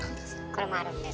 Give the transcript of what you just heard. これもあるんです。